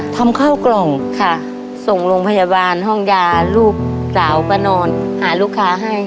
ทำข้าวกล่องค่ะส่งโรงพยาบาลห้องยาลูกสาวก็นอนหาลูกค้าให้